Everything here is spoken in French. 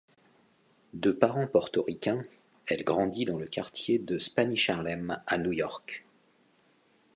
De parents portoricains, elle grandit dans le quartier de Spanish Harlem à New York.